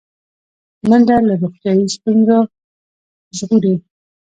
منډه له روغتیایي ستونزو ژغوري